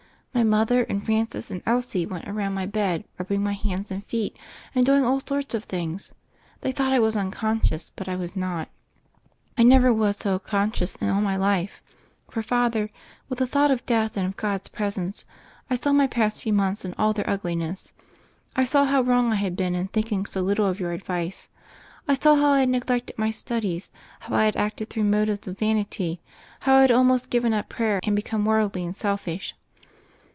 My mother and Francis and Elsie were around my bed rubbing my hands and feet, and doing all sorts of things. They thought I was unconscious, but I was not. I was never so conscious in all my life. For, Father, with the thought of death and of God's presence, I saw my past few months in all their ugliness. I saw how wrong I had been in thinking so little of your advice; I saw how I had neglected my studies, how I had acted through motives of vanity, how I had al most given up prayer and become worldly and selfish.